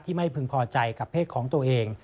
ไม่พึงพอใจกับเพศของตัวเอง